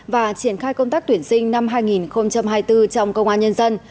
và triển khai công tác tuyển sinh năm hai nghìn hai mươi bốn trong công an nhân dân